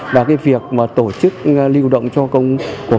và cái việc mà tổ chức lưu động cho công cuộc